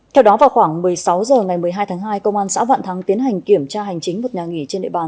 theo đó vào khoảng một mươi sáu h ngày một mươi hai tháng hai công an xã vạn thắng tiến hành kiểm tra hành chính một nhà nghỉ trên địa bàn